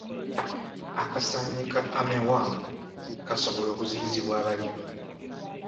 Akasaanyi ka armyworm kasobola okuziyizibwa abalimi.